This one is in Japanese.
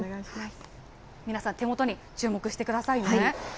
皆さん、手元に注目してくださいね。